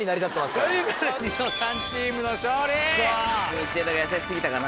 道枝が優し過ぎたかな。